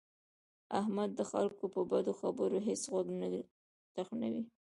احمد د خلکو په بدو خبرو هېڅ غوږ نه تخنوي.